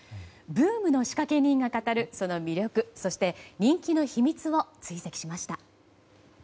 ブームの仕掛け人が語るその魅力そして人気の秘密を追跡しました。